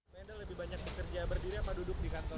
banyak pekerja berdiri atau duduk di kantor